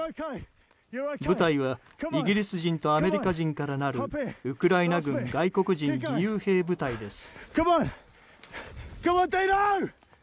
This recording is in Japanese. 部隊はイギリス人とアメリカ人からなるウクライナ軍外国人義勇兵部隊です。